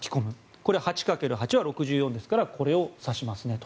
これは８掛ける８は６４ですからこれを指しますねと。